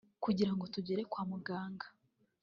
kugirango tugere kwa muganga